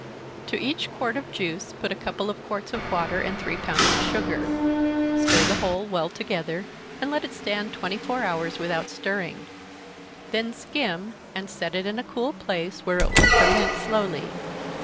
To each quart of juice put a couple of quarts of water, and three pounds of sugar stir the whole well together, and let it stand twenty four hours, without stirring then skim and set it in a cool place, where it will ferment slowly.